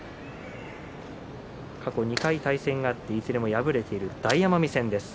過去２回対戦があっていずれも敗れている大奄美戦です。